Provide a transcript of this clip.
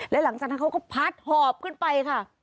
และหลังจากนั้นเขาก็พัดหอบขึ้นไปค่ะ